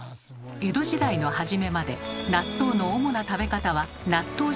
江戸時代の初めまで納豆の主な食べ方は納豆汁でした。